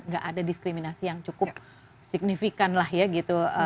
gak ada diskriminasi yang cukup signifikan lah ya gitu